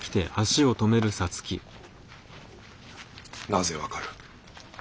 ・なぜ分かる？